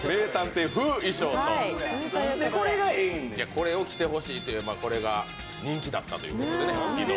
これを着てほしいという、これが人気だったということで。